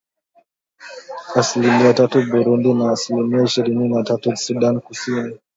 Asilimia tatu Burundi na asilimia ishirini na tatu Sudan Kusini